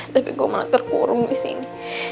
tapi gue malah terkurung disini